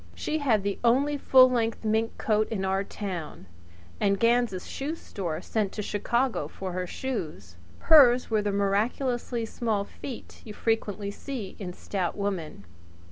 She had the only full length sealskin coat in our town, and Ganz' shoe store sent to Chicago for her shoes. Hers were the miraculously small feet you frequently see in stout women.